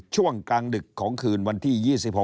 ช่วงกลางดึกของคืนวันที่๒๖